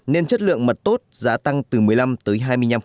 nên chất lượng mật tốt giá tăng từ một mươi năm tới hai mươi năm